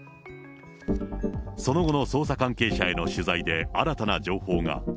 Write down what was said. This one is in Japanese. その後の捜査関係者への取材で、新たな情報が。